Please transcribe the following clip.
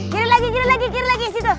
kiri lagi kirim lagi kiri lagi situ